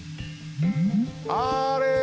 あれ！